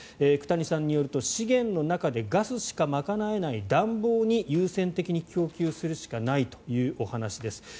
久谷さんによると資源の中でガスしか賄えない暖房に優先的に供給するしかないというお話です。